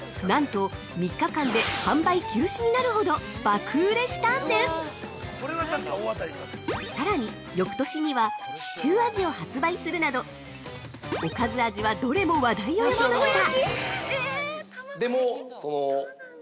なんと３日間で販売休止になるほど爆売れしたんですさらに、翌年には「シチュー味」を発売するなどおかず味はどれも話題を呼びました。